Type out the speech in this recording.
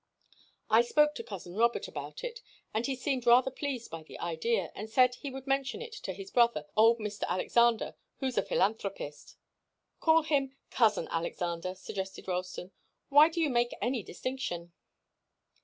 I spoke to cousin Robert about it and he seemed rather pleased by the idea, and said that he would mention it to his brother, old Mr. Alexander, who's a philanthropist " "Call him cousin Alexander," suggested Ralston. "Why do you make any distinction?"